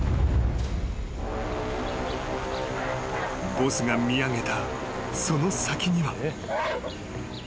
［ボスが見上げたその先には］